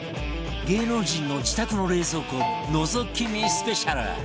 芸能人の自宅の冷蔵庫のぞき見スペシャル